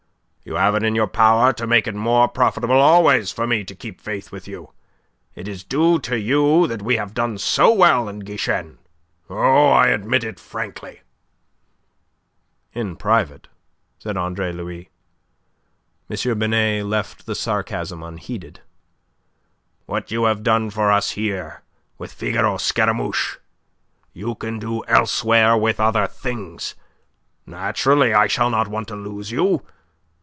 "You have it in your power to make it more profitable always for me to keep faith with you. It is due to you that we have done so well in Guichen. Oh, I admit it frankly." "In private," said Andre Louis. M. Binet left the sarcasm unheeded. "What you have done for us here with 'Figaro Scaramouche,' you can do elsewhere with other things. Naturally, I shall not want to lose you.